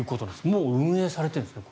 もう運営されてるんですね